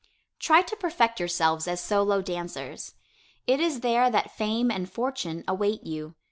Try to perfect yourselves as solo dancers. It is there that fame and fortune await you.